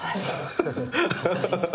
恥ずかしいっす。